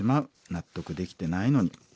納得できてないのに」。